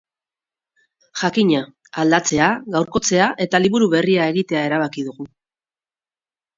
Jakina, aldatzea, gaurkotzea eta liburu berria egitea erabaki dugu.